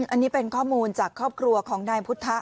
อันนี้เป็นข้อมูลจากครอบครัวของนายพุทธะ